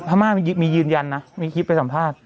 พม่ามียืนยันนะมีคลิปไปสัมภาษณ์